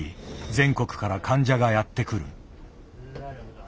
全国から患者がやって来る。